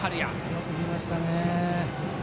よく見ましたね。